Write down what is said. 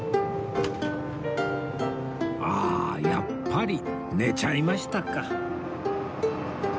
ああやっぱり寝ちゃいましたか